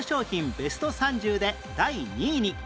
ベスト３０で第２位に